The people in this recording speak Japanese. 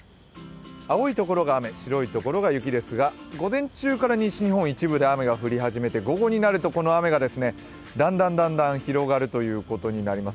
青い所が雨、白い所が雪ですが、午前中から西日本、一部で雨が降り始めて午後になると、この雨がだんだん広がるということになります。